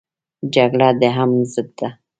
جګړه د امن ضد ده